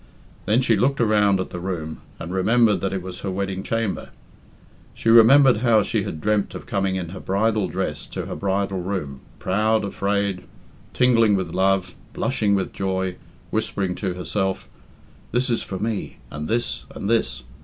Then she looked around at the room, and remembered that it was her wedding chamber. She remembered how she had dreamt of coming in her bridal dress to her bridal room proud, afraid, tingling with love, blushing with joy, whispering to herself, "This is for me and this and this.